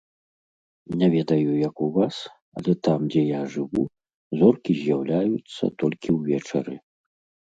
Не ведаю як у вас, але там дзе я жыву, зоркі з'яўляюцца толькі ўвечары.